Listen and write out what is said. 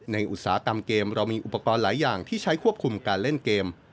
อุตสาหกรรมเกมเรามีอุปกรณ์หลายอย่างที่ใช้ควบคุมการเล่นเกม